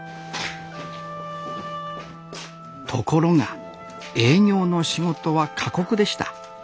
ところが営業の仕事は過酷でした。